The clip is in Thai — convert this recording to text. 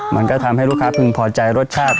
มันก็ทำให้ลูกค้าพึงพอใจรสชาติ